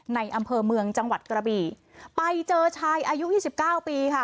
อำเภอเมืองจังหวัดกระบี่ไปเจอชายอายุยี่สิบเก้าปีค่ะ